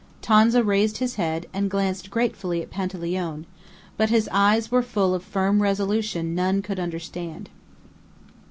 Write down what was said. Tonza raised his head, and glanced gratefully at Panteleone; but his eyes were full of firm resolution none could understand.